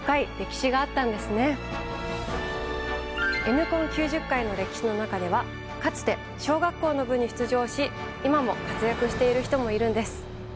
Ｎコン９０回の歴史の中ではかつて小学校の部に出場し今も活躍している人もいるんです。